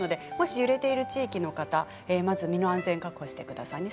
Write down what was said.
揺れている地域の方まず身の安全を確保してください。